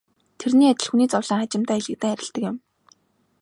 Тэрний адил хүний зовлон аажимдаа элэгдэн арилдаг юм.